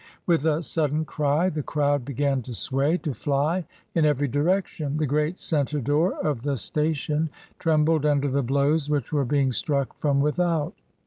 With a sudden cry the crowd began to sway, to fly in every direction; the great centre door of the station trembled under the blows which were being struck from without.